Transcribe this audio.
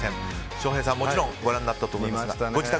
翔平さん、もちろんご覧になったと思いますが。